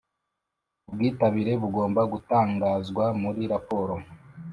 Ubwitabire bugomba gutangazwa muri raporo